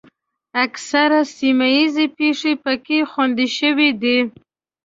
اکثره سیمه ییزې پېښې پکې خوندي شوې دي.